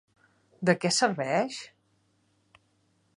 De què serveix?